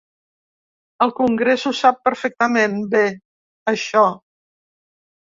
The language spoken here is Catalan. El congrés ho sap perfectament bé, això.